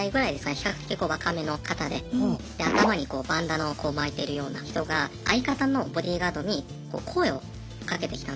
比較的若めの方で頭にこうバンダナをこう巻いてるような人が相方のボディーガードに声をかけてきたんですね。